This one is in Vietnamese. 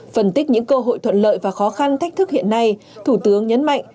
phân tích những cơ hội thuận lợi và khó khăn thách thức hiện nay thủ tướng nhấn mạnh